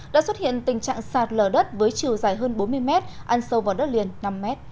đã xuất hiện tình trạng sạt lở đất với chiều dài hơn bốn mươi mét ăn sâu vào đất liền năm m